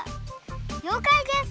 りょうかいです！